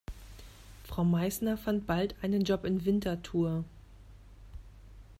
Frau Meißner fand bald einen Job in Winterthur.